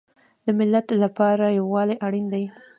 د ملت لپاره یووالی اړین دی